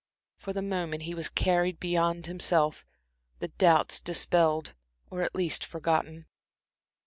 For the moment he was carried beyond himself, his doubts dispelled, or at least forgotten.